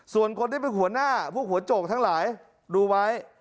ส่วนคนที่เป็นหัวหน้าพวกหัวโจกทั้งหลายดูไว้